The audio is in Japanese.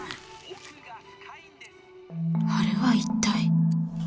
あれは一体。